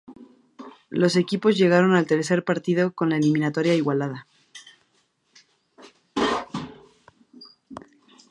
Los equipos llegaron al tercer partido con la eliminatoria igualada.